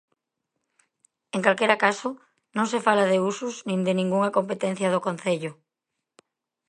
En calquera caso, non se fala de usos nin de ningunha competencia do Concello.